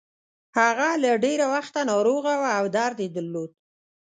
هغه له ډېره وخته ناروغه وه او درد يې درلود.